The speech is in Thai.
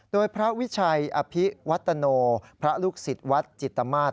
โดยพระวิชัยอภิวัตโนพระลูกศิษย์วัดจิตมาศ